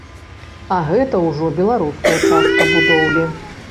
А гэта ўжо беларуская частка будоўлі.